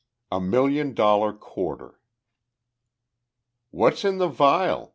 XXI A MILLION DOLLAR QUARTER "What's in the phial?"